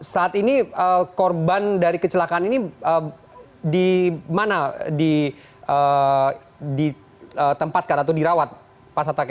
saat ini korban dari kecelakaan ini di mana ditempatkan atau dirawat pak satake